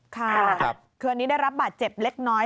ค่ะคืออันนี้ได้รับบาดเจ็บเล็กน้อย